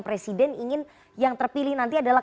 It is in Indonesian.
presiden ingin yang terpilih nanti adalah